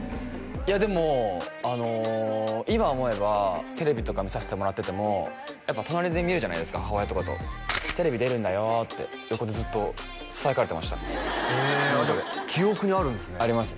いやでもあの今思えばテレビとか見させてもらっててもやっぱ隣で見るじゃないですか母親とかとって横でずっとささやかれてましたへえ記憶にあるんすねあります